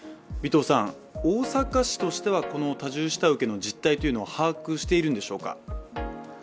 尾藤さん、大阪市としてはこの多重下請けの実態というのを把握しているんでしょうか？